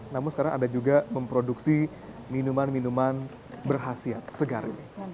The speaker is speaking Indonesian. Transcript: namun sekarang ada juga memproduksi minuman minuman berhasil segar